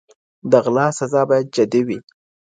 د غلا سزا بايد جدي وي.